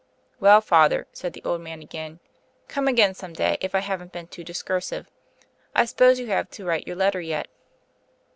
"Well, father," said the old man again, "come again some day, if I haven't been too discursive. I suppose you have to write your letter yet?"